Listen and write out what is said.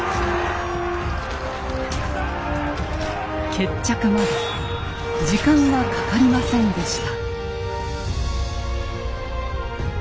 決着まで時間はかかりませんでした。